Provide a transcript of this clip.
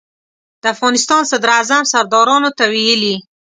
د افغانستان صدراعظم سردارانو ته ویلي.